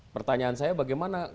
pertanyaan saya bagaimana